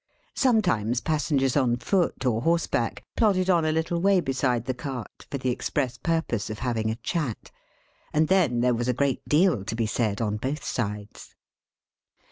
Sometimes, passengers on foot, or horseback, plodded on a little way beside the cart, for the express purpose of having a chat; and then there was a great deal to be said, on both sides.